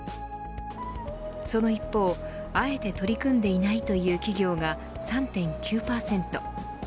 その一方、あえて取り組んでいないという企業が３．９％。